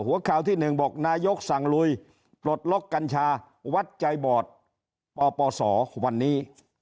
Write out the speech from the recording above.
หัวข่าวที่๑บอกนายกสั่งลุยปลดล็อกกัญชาวัดใจบอดปปศวันนี้